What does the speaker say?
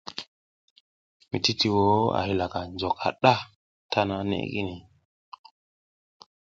Mititiwo a halaka njok haɗa tana nekini.